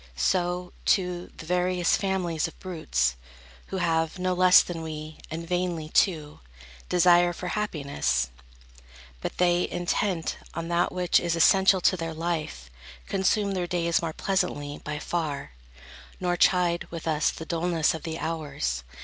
So, too, the various families of brutes, Who have, no less than we, and vainly, too, Desire for happiness; but they, intent On that which is essential to their life, Consume their days more pleasantly, by far, Nor chide, with us, the dulness of the hours.